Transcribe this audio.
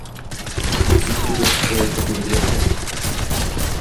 Quin turó es creu que podria ser?